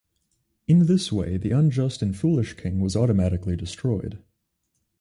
In this way the unjust and foolish king is automatically destroyed.